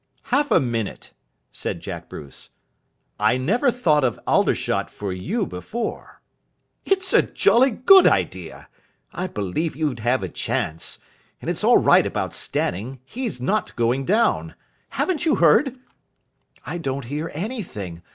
"Half a minute," said Jack Bruce. "I never thought of Aldershot for you before. It's a jolly good idea. I believe you'd have a chance. And it's all right about Stanning. He's not going down. Haven't you heard?" "I don't hear anything.